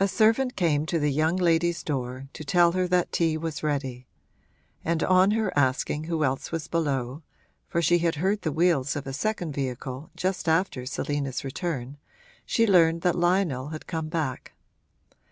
A servant came to the young lady's door to tell her that tea was ready; and on her asking who else was below (for she had heard the wheels of a second vehicle just after Selina's return), she learned that Lionel had come back.